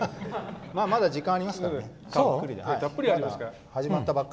まだ時間ありますから。